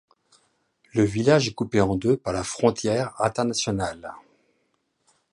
Le village est coupé en deux par la frontière internationale.